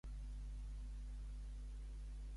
Per què no va seguir el jutge amb l'euroordre?